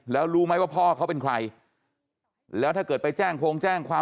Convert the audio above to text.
แล้วรู้ไหมว่าพ่อเขาเป็นใครแล้วถ้าเกิดไปแจ้งโครงแจ้งความ